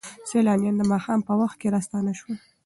سیلانیان د ماښام په وخت کې راستانه شول.